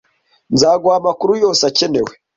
Nzaguha amakuru yose akenewe